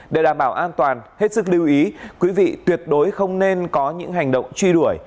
để đảm bảo an toàn hết sức lưu ý quý vị tuyệt đối không nên có những hành động truy đuổi